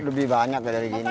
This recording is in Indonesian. lebih banyak dari ini